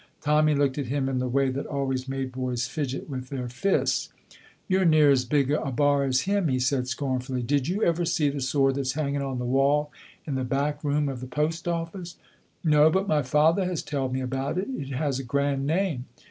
Tommy looked at him in the way that always made boys fidget with their fists. "You're near as big a bar as him," he said scornfully. "Did you ever see the sword that's hanging on the wall in the backroom at the post office?" "No, but my father has telled me about it. It has a grand name."